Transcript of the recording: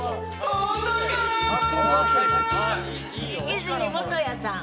和泉元彌さん。